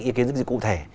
ý kiến rất là cụ thể